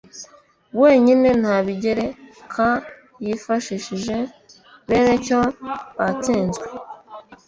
wenyine nta bigerekayifashishije bene cyo batsinzwe